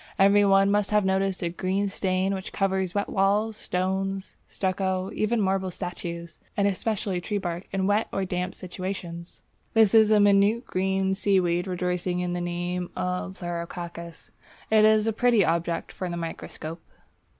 Every one must have noticed a green stain which covers wet walls, stones, stucco, even marble statues, and especially tree bark in wet or damp situations. This is a minute green seaweed rejoicing in the name of Pleurococcus. It is a pretty object for the microscope.